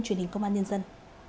truyền hình công an nhân dân